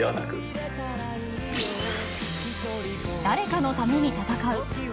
誰かのために戦う。